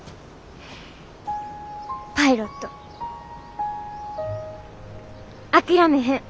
パイロット諦めへん。